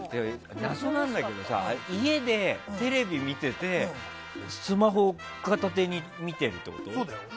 謎なんだけどさ家でテレビ見ててスマホ片手に見てるってこと？